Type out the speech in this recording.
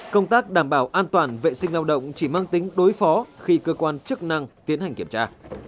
công tác đảm bảo an toàn vệ sinh lao động chỉ mang tính đối phó khi cơ quan chức năng tiến hành kiểm tra